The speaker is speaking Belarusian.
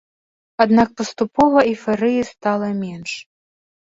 Аднак паступова эйфарыі стала менш.